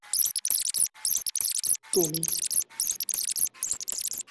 এরা কাঠি, লতা পাতা দিয়ে বাসা বাঁধে এবং মহিলারা প্রধানত দুটো ডিম পারে।